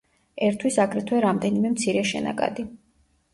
ერთვის აგრეთვე რამდენიმე მცირე შენაკადი.